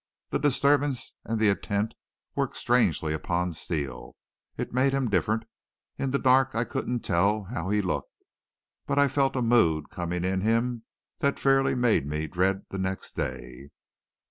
The disturbance and the intent worked strangely upon Steele. It made him different. In the dark I couldn't tell how he looked, but I felt a mood coming in him that fairly made me dread the next day.